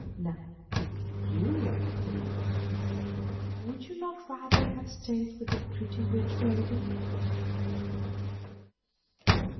Now, if you had been the Prince, would you not rather have stayed with the pretty witch maiden?